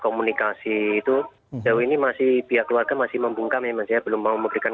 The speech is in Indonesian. komunikasi itu jauh ini masih pihak keluarga masih membuka memang saya belum mau memberikan